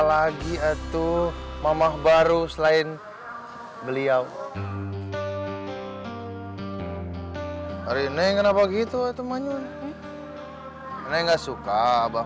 lagi atau mamah baru selain beliau hari neng kenapa begitu atau man tujuh puluh sembilan suka bak